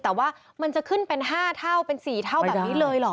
แต่ว่ามันจะขึ้นเป็น๕เท่าเป็น๔เท่าแบบนี้เลยเหรอ